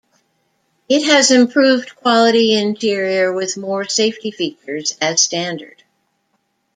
It has improved quality interior with more safety features as standard.